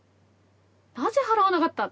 「なぜ払わなかった？」